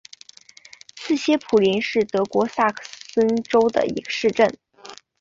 茨歇普林是德国萨克森州的一个市镇。